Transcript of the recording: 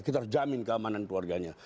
kita harus jamin keamanan keluarganya